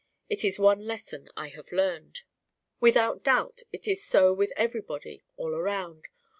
It is one lesson I have learned. Without doubt it is so with everybody, all around.